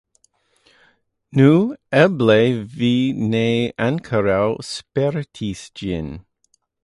Nu, eble vi ne ankoraŭ spertis ĝin.